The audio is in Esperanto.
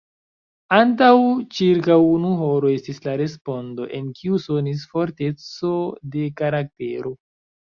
Antaŭ ĉirkaŭ unu horo, estis la respondo, en kiu sonis forteco de karaktero.